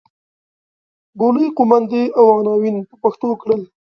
بولۍ قوماندې او عناوین په پښتو کړل.